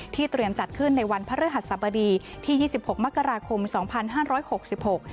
เตรียมจัดขึ้นในวันพระฤหัสสบดีที่ยี่สิบหกมกราคมสองพันห้าร้อยหกสิบหก